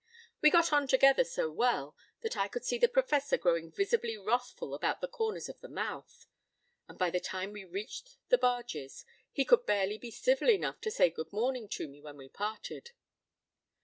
We got on together so well that I could see the Professor growing visibly wrathful about the corners of the mouth: and by the time we reached the barges, he could barely be civil enough to say Good morning to me when we parted.